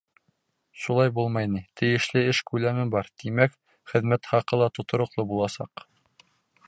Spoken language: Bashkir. Шулай булмай ни, тейешле эш күләме бар, тимәк, хеҙмәт хаҡы ла тотороҡло буласаҡ.